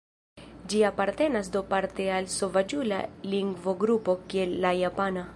Ĝi apartenas do parte al sovaĝula lingvogrupo kiel la japana.